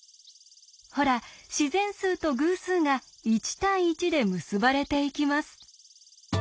ほら自然数と偶数が１対１で結ばれていきます。